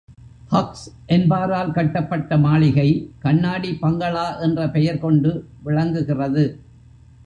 Hugs என்பாரால் கட்டப்பட்ட மாளிகை, கண்ணாடி பங்களா என்ற பெயர்கொண்டு விளங்குகிறது.